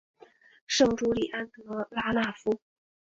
圣朱利安德拉讷夫。